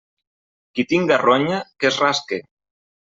Qui tinga ronya, que es rasque.